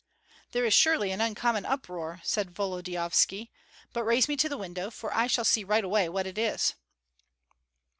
"There is surely an uncommon uproar," said Volodyovski. "But raise me to the window, for I shall see right away what it is."